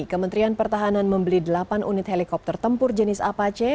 kementerian pertahanan membeli delapan unit helikopter tempur jenis apache